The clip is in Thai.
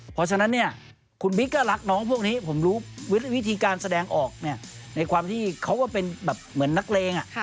เพราะฉะนั้นเนี่ยคุณบิ๊กก็รักน้องพวกนี้ผมรู้วิธีการแสดงออกในความที่เขาว่าเป็นแบบเหมือนนักเลง